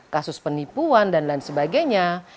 kasus penipuan dan lain sebagainya